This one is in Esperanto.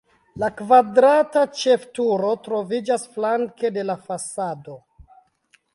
La kvadrata ĉefturo troviĝas flanke de la fasado.